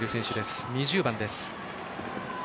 ２０番です。